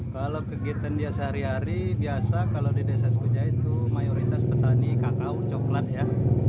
kalau kegiatan dia sehari hari biasa kalau di desa sekuja itu mayoritas petani kakao coklat ya